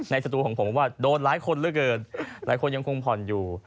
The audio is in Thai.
สตูของผมว่าโดนหลายคนเหลือเกินหลายคนยังคงผ่อนอยู่